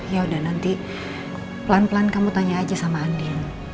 yaudah nanti pelan pelan kamu tanya aja sama andi